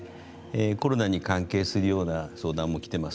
コロナに関係するような相談も来ています。